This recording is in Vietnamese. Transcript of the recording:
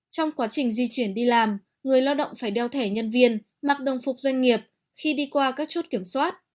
trong quá trình di chuyển đi làm người lao động phải đeo thẻ nhân viên mặc đồng phục doanh nghiệp khi đi qua các chốt kiểm soát